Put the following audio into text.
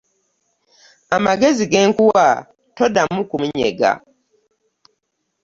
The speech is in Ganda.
Amagezi ge nkuwa toddamu kumunyega.